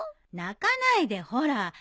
泣かないでほら。